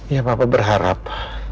ya papa berharap